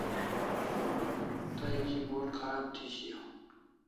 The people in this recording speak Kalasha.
Tay keyboard kharab thi shiaw